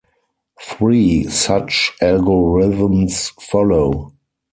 Three such algorithms follow.